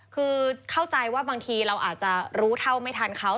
คือเข้าใจว่าบางทีเราอาจจะรู้เท่าไม่ทันเขา